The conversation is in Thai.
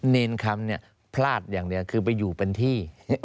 เนรคำเนี่ยพลาดอย่างเดียวคือไปอยู่เป็นที่